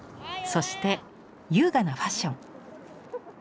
そして優雅なファッション。